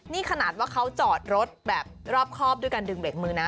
นี่ขนาดว่าเขาจอดรถแบบรอบครอบด้วยการดึงเบรกมือนะ